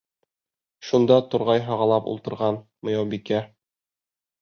Шунда турғай һағалап ултырған Мыяубикә: